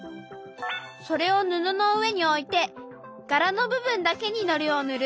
それを布の上において柄の部分だけにのりをぬる。